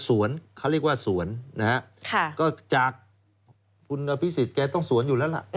สวนเขาเรียกว่าสวนนะฮะก็จากคุณอภิษฎแกต้องสวนอยู่แล้วล่ะ